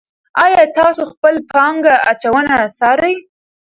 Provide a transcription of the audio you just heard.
آیا تاسو خپله پانګه اچونه څارئ.